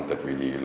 nhưng bây giờ